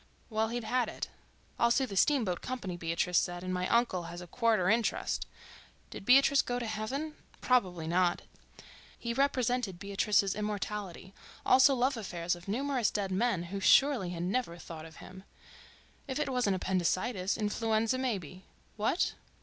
Well, he'd had it—I'll sue the steamboat company, Beatrice said, and my uncle has a quarter interest—did Beatrice go to heaven?... probably not—He represented Beatrice's immortality, also love affairs of numerous dead men who surely had never thought of him... if it wasn't appendicitis, influenza maybe. What?